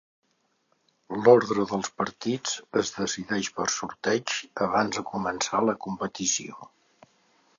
L'ordre dels partits es decideix per sorteig abans de començar la competició.